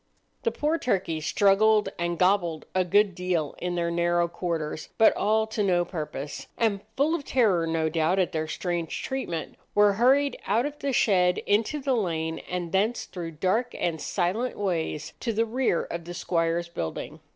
The poor turkeys struggled and "gobbled" a good deal in their narrow quarters, but all to no purpose; and full of terror, no doubt, at their strange treatment, were hurried out of the shed into the lane, and thence through dark and silent ways to the rear of the squire's building.